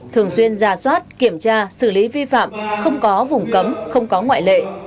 thường xuyên ra soát kiểm tra xử lý vi phạm không có vùng cấm không có ngoại lệ